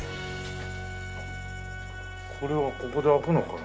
これはここで開くのかな？